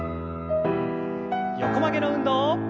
横曲げの運動。